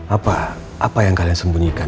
apa apa yang kalian sembunyikan